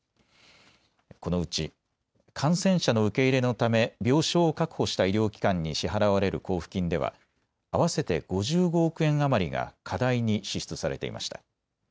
このうち感染者の受け入れのため病床を確保した医療機関に支払われる交付金では合わせて５５億円余りが過大に支出されていました。